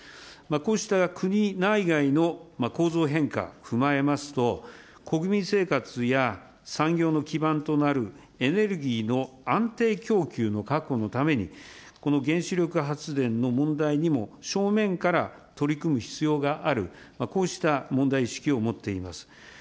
こうした国内外の構造変化を踏まえますと、国民生活や産業の基盤となるエネルギーの安定供給の確保のために、原子力発電の問題にも正面から取り組む必要がある、こうした問題意識を持っています。